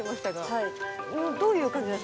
はい。